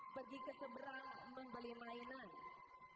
pergi keseberang membeli mainan